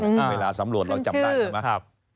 เวลาสำรวจเราจำได้ใช่ไหม